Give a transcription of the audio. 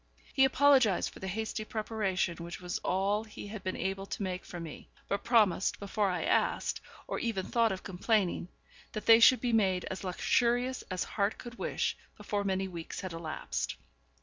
He apologised for the hasty preparation which was all he had been able to make for me, but promised, before I asked, or even thought of complaining, that they should be made as luxurious as heart could wish before many weeks had elapsed.